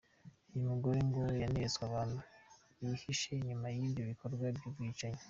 Uyu mugore, ngo yaneretswe abantu bihishe inyuma y’ibyo bikorwa by’ubwicanyi.